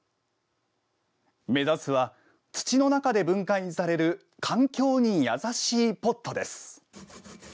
目指すは、土の中で分解される環境に優しいポットです。